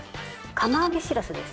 釜揚げしらすです。